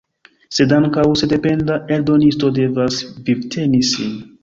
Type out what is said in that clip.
Sed ankaŭ sendependa eldonisto devas vivteni sin.